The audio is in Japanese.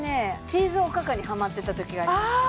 チーズおかかにはまってたときがありますあ！